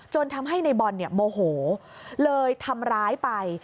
จนทำให้นายบอลโมโหเลยทำร้ายไป